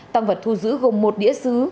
tăng vật thu giữ gồm một đĩa xứ